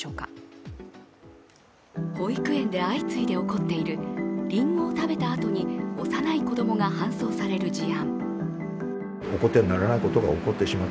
保育園で相次いで起こっているりんごを食べたあとに幼い子供が搬送される事案。